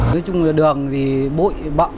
nói chung là đường thì bụi bậm